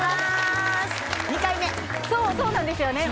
２回目そうなんですよね